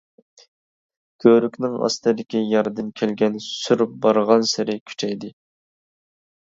كۆۋرۈكنىڭ ئاستىدىكى ياردىن كەلگەن سۈر بارغانسېرى كۈچەيدى.